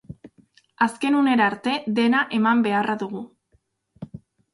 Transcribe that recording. Azken unera arte dena eman beharra dugu.